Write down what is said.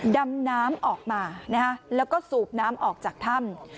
ดำน้ำออกมาแล้วก็สูบน้ำออกจากถ้ำ